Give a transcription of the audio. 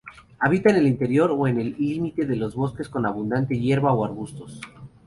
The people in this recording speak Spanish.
Habita en el interior o el límite de bosques con abundante hierba o arbustos.